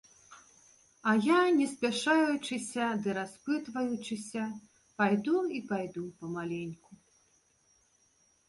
А я не спяшаючыся ды распытваючыся пайду і пайду памаленьку.